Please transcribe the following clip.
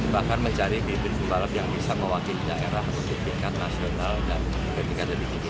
bahkan mencari bibir bibir pembalap yang bisa mewakili daerah pembalap nasional dan kejayaan lebih tinggi